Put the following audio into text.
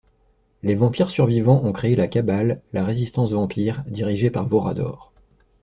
Les vampires survivants ont créé la Cabale, la résistance vampire, dirigée par Vorador.